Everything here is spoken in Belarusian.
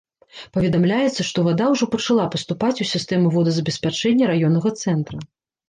Паведамляецца, што вада ўжо пачала паступаць у сістэму водазабеспячэння раённага цэнтра.